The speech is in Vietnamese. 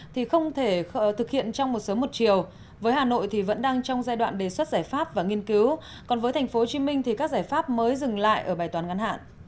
thì không thể thực hiện trong một sớm một chiều với hà nội thì vẫn đang trong giai đoạn đề xuất giải pháp và nghiên cứu còn với thành phố hồ chí minh thì các giải pháp mới dừng lại ở bài toán ngắn hạn